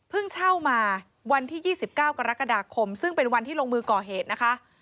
เช่ามาวันที่๒๙กรกฎาคมซึ่งเป็นวันที่ลงมือก่อเหตุนะคะ